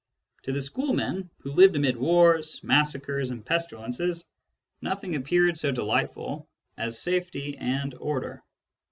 To the schoolmen, who lived amid wars, massacres, and pestilences, nothing appeared so delightful as safety and order.